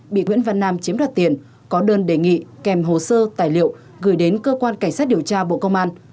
bị nguyễn văn nam chiếm đoạt tiền có đơn đề nghị kèm hồ sơ tài liệu gửi đến cơ quan cảnh sát điều tra bộ công an